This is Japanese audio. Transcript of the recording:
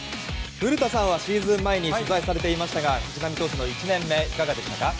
古田さんはシーズン前に取材されましたが藤浪投手の１年目いかがでしたか？